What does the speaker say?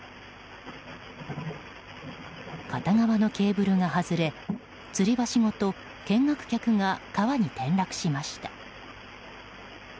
片側のケーブルが外れつり橋ごと見学客が川に転落しました。